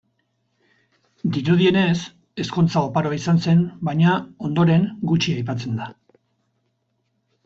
Dirudienez, ezkontza oparoa izan zen, baina, ondoren, gutxi aipatzen da.